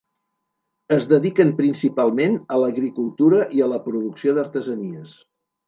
Es dediquen principalment a l'agricultura i a la producció d'artesanies.